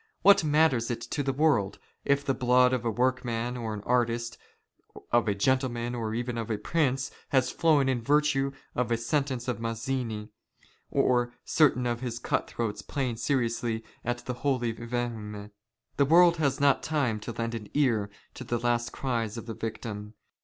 What matters it to the world, if the blood " of a workman, of an artist, of a gentleman, or even of a prince, " has flown in virtue of a sentence of Mazzini, or certain of his " cut throats playing seriously at the Holi/ Vehme. The world " has not time to lend an ear to the last cries of the victim.